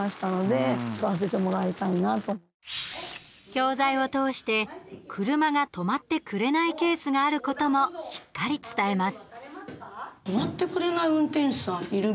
教材を通して車が止まってくれないケースがあることも、しっかり伝えます。